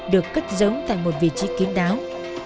được cất giống tại một vị trí kiến đáo